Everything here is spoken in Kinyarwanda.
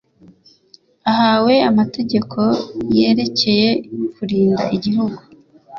ahawe amategeko yerekeye kurinda igihugu